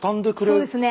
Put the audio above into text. そうですね